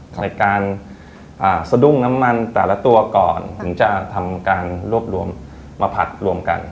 ในการสะดุ้งน้ำมันแต่ละตัวก่อนถึงจะทำการรวบรวมมาผัดรวมกัน